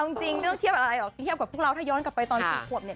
เอาจริงเรื่องเทียบอะไรเทียบกับพวกเราถ้าย้อนกลับไปตอน๔ขวบเนี่ย